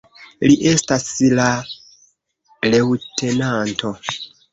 Li estas ja leŭtenanto.